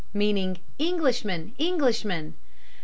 meaning "Englishmen. Englishmen."